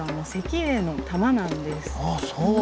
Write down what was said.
あっそう！